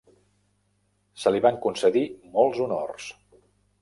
Se li van concedir molts honors.